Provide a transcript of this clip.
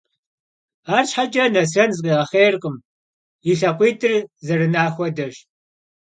Arşheç'e Nesren zıkhiğexhêyrkhım, yi lhakhuit'ır zerına xuedeş.